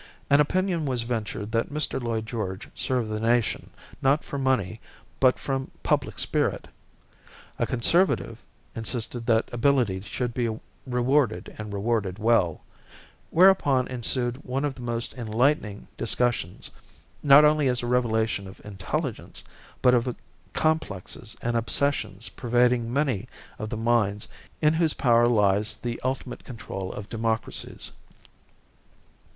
An opinion was ventured that Mr. Lloyd George served the nation, not for money but from public spirit; a conservative insisted that ability should be rewarded and rewarded well; whereupon ensued one of the most enlightening discussions, not only as a revelation of intelligence, but of complexes and obsessions pervading many of the minds in whose power lies the ultimate control of democracies.